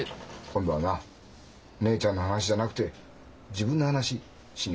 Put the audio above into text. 今度はな姉ちゃんの話じゃなくて自分の話しに来い。